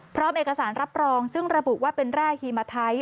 พร้อมเอกสารรับรองซึ่งระบุว่าเป็นแร่ฮีมาไทย